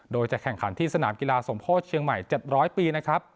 โดยจะแข่งขันที่สนามกีฬาสมโพธิเชียงใหม่๗๐๐ปีนะครับ